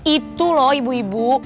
itu loh ibu ibu